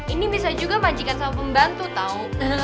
ini bisa juga majikan sama pembantu tau